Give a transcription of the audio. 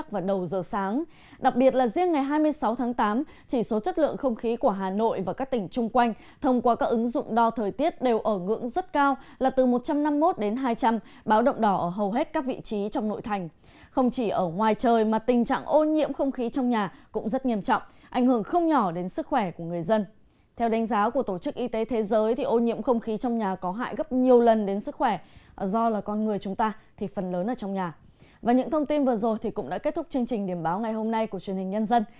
và những thông tin vừa rồi cũng đã kết thúc chương trình điểm báo ngày hôm nay của truyền hình nhân dân